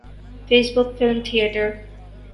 face book film theatre